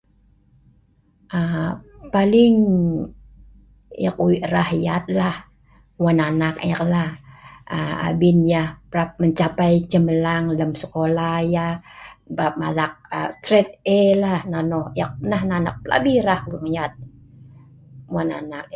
Aaa paling ek wik rah yat lah, wat anak ek lah, aa abin yeh parap mencapai cemerlang lem sekolah yeh parap alak straight A nonoh neh ek lem plabi rah lem yat wan anak